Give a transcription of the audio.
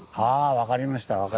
分かりました。